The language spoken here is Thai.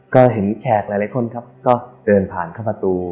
ก็เห็นแฉกหลายคนครับก็เดินผ่านเข้าประตู